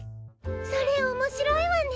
それおもしろいわね！